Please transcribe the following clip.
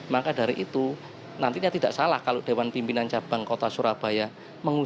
maka dari itu nantinya tidak salah kalau dewan pimpinan cabang kota surabaya